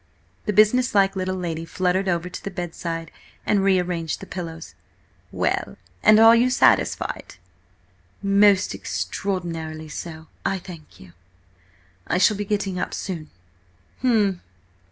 The business like little lady fluttered over to the bedside and rearranged the pillows. "Well, and are you satisfied?" "Madam, most extraordinarily so, I thank you. I shall be getting up soon." "H'm!"